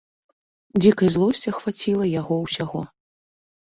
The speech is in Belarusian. Дзікая злосць ахваціла яго ўсяго.